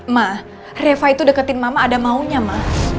ma reva itu deketin mama ada maunya mah